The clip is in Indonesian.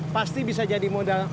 pasti bisa jadi modal